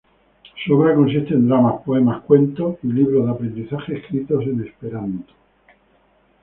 Su obra consiste en dramas, poemas, cuentos y libros de aprendizaje escritos en Esperanto.